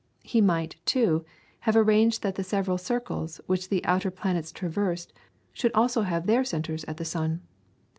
He might, too, have arranged that the several circles which the outer planets traversed should also have had their centres at the sun.